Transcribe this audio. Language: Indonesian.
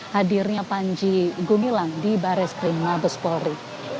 hadirnya panji gumilang di baris krim mabes polri